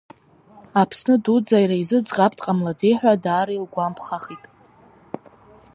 Аԥсны дуӡӡа иара изы ӡӷабк дҟамлаӡеи ҳәа даара илгәамԥхахит…